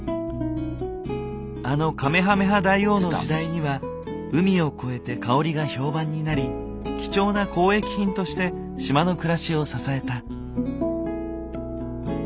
あのカメハメハ大王の時代には海を越えて香りが評判になり貴重な交易品として島の暮らしを支えた。